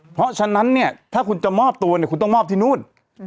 เพราะฉะนั้นเนี่ยถ้าคุณจะมอบตัวเนี่ยคุณต้องมอบที่นู่น